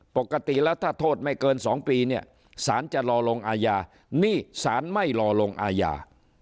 ปกติแล้วถ้าโทษไม่เกิน๒ปีเนี่ยสารจะรอลงอาญานี่สารไม่รอลงอาญา